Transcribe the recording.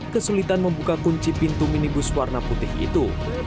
kesulitan membuka kunci pintu minibus warna putih itu